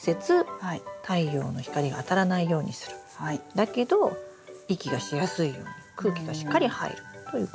だけど息がしやすいように空気がしっかり入るということ。